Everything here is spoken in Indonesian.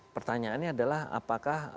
pertanyaannya adalah apakah